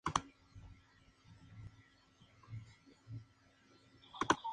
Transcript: Siendo uno de los más exitosos de la cantante.